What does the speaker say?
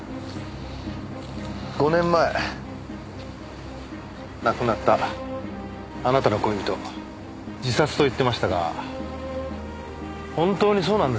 ５年前亡くなったあなたの恋人自殺と言っていましたが本当にそうなんですかね？